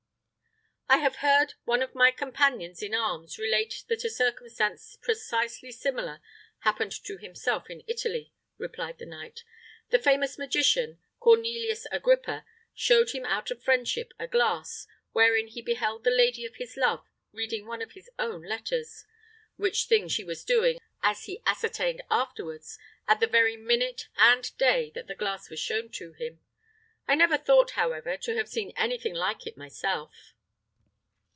"I have heard one of my companions in arms relate that a circumstance precisely similar happened to himself in Italy," replied the knight. "The famous magician, Cornelius Agrippa, showed him out of friendship a glass, wherein he beheld the lady of his love reading one of his own letters, which thing she was doing, as he ascertained afterwards, at the very minute and day that the glass was shown to him. I never thought, however, to have seen anything like it myself."